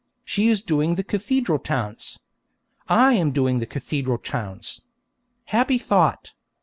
She is doing the cathedral towns. I am doing the cathedral towns. Happy thought!